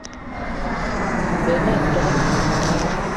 G-beu ma tok gni.